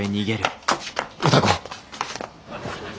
歌子！